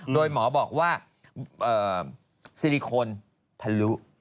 โดยหมอบอกว่าเอ่อซีลิโคนพลุ